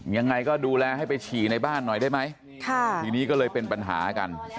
ยังไงก็ดูแลให้ไปฉี่ในบ้านหน่อยได้ไหมทีนี้ก็เลยเป็นปัญหากัน